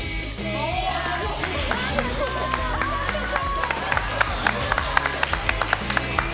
社長！